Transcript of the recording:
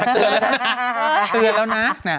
เตือนแล้วน่ะน่ะเตือนแล้วน่ะน่ะ